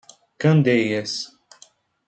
Candeias